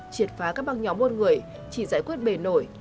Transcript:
triệt phá các băng nhóm buôn người chỉ giải quyết bề nổi